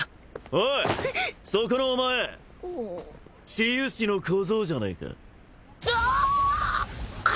おいそこのお前治癒士の小僧じゃねえかああ！